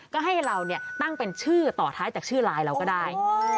ก็ให้เราตั้งเป็นชื่อต่อท้ายจากชื่อไลน์เราก็ได้